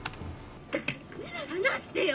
放してよ！